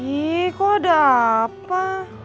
ih kok ada apa